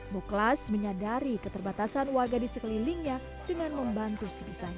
bu klas menyadari keterbatasan warga di sekelilingnya dengan membantu sebisanya